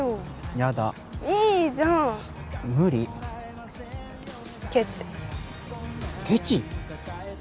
ヤダいいじゃん無理ケチケチ！？